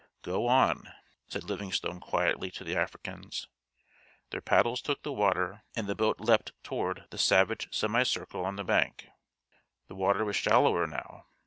"Go on," said Livingstone quietly to the Africans. Their paddles took the water and the boat leapt toward the savage semi circle on the bank. The water was shallower now.